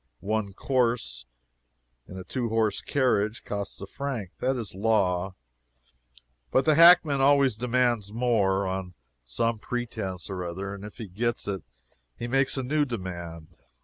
One "course," in a two horse carriage, costs a franc that is law but the hackman always demands more, on some pretence or other, and if he gets it he makes a new demand.